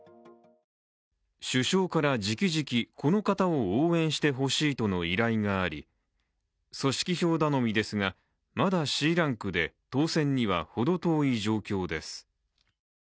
首相から直々この方を応援してほしいとの依頼があり、組織票頼みですが、まだＣランクで当選には程遠い状況です。